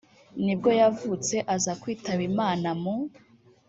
nibwo yavutse aza kwitaba Imana mu